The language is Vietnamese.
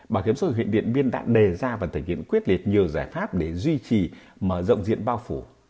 bảo hiểm xã hội huyện điện biên đã đề ra và thực hiện quyết liệt nhiều giải pháp để duy trì mở rộng diện bao phủ